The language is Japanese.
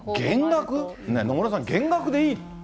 野村さん、減額でいいの？